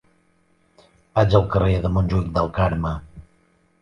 Vaig al carrer de Montjuïc del Carme.